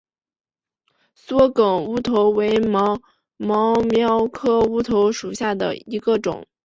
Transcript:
缩梗乌头为毛茛科乌头属下的一个种。